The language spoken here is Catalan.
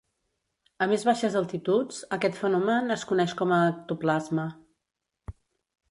A més baixes altituds, aquest fenomen es coneix com a ectoplasma.